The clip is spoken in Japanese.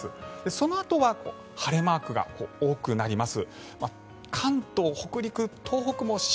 そのあとは晴れマークが多くなります。